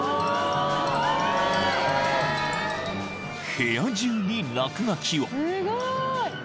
［部屋中に落書きを］